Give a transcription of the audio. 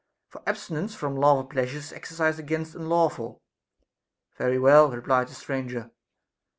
For abstinence from lawful pleasure is exercise against unlawful. Very well, replied the stranger.